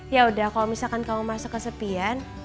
yaudah kalo misalkan kamu merasa kesepian